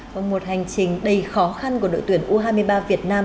và một hành trình đầy khó khăn của đội tuyển u hai mươi ba việt nam